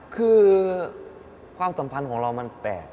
คือความสัมพันธ์ของเรามันแปลก